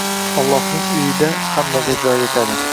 «Ollohning uyida hammaga joy yetadi»